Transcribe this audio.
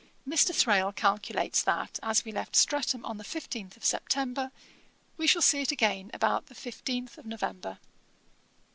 Mr. Thrale calculates that, as we left Streatham on the fifteenth of September, we shall see it again about the fifteenth of November.